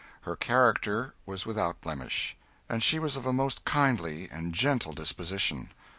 Her character was without blemish, and she was of a most kindly and gentle disposition.